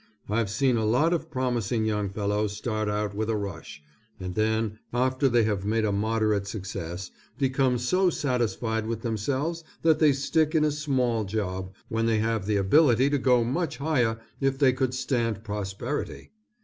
I've seen a lot of promising young fellows start out with a rush, and then after they have made a moderate success, become so satisfied with themselves that they stick in a small job, when they have the ability to go much higher if they could stand prosperity.